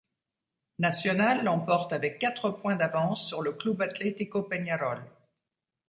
Nacional l’emporte avec quatre points d’avance sur le Club Atlético Peñarol.